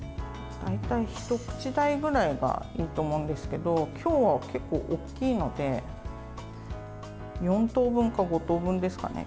大体、一口大ぐらいがいいと思うんですけど今日は結構大きいので４等分か５等分ですかね。